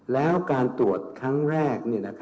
แล้วการตรวจครั้งแรก